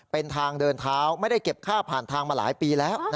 เป็นทางเดินเท้าไม่ได้เก็บค่าผ่านทางมาหลายปีแล้ว